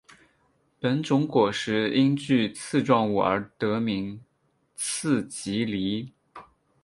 本种果实因具刺状物而得名刺蒺藜。